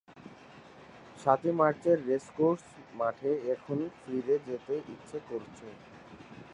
সাতই মার্চের রেসকোর্স মাঠে এখন ফিরে যেতে ইচ্ছে করছে।